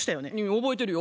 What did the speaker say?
覚えてるよ。